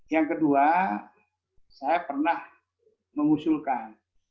yang kedua saya pernah mengusulkan